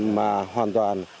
mà hoàn toàn